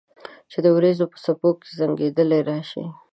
چې د اوریځو په څپو کې زنګیدلې راشي